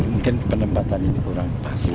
mungkin penempatan ini kurang pas